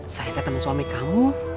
saya temen suami kamu